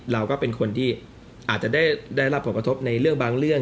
เราก็เป็นคนที่อาจจะได้รับผลกระทบในเรื่องบางเรื่อง